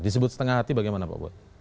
disebut setengah hati bagaimana pak buat